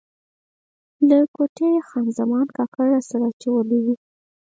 له کوټې یې خان زمان کاکړ راسره اچولی و.